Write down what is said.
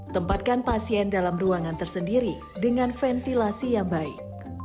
tempatkan pasien dalam ruangan tersendiri dengan ventilasi yang baik